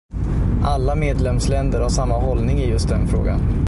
Alla medlemsländer har samma hållning i just den frågan.